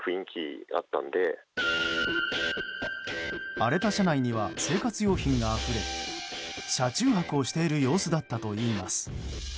荒れた車内には生活用品があふれ車中泊をしている様子だったといいます。